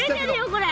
これ。